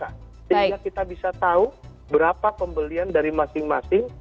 sehingga kita bisa tahu berapa pembelian dari masing masing